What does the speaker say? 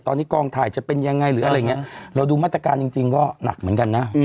ตอนนี้กองถ่ายจะเป็นยังไงหรืออะไรอย่างเงี้ยเราดูมาตรการจริงจริงก็หนักเหมือนกันนะ